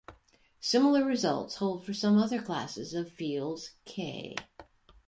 Similar results hold for some other classes of fields "k".